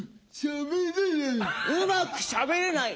うまくしゃべれない。